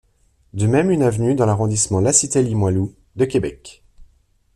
De même une avenue dans l'arrondissement La Cité-Limoilou de Québec.